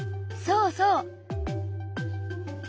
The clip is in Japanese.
そうそう。